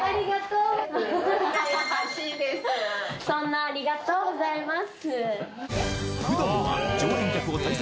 そんなありがとうございます。